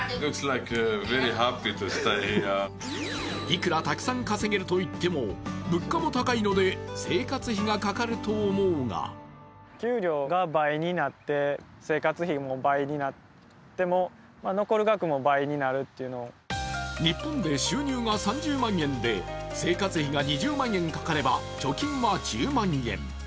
いくらたくさん稼げるといっても、物価も高いので生活費がかかると思うが日本で収入が３０万円で生活費が２０万円かかれば貯金は１０万円。